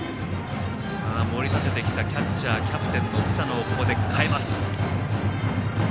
盛り立ててきた、キャッチャーキャプテンの草野をここで代えます。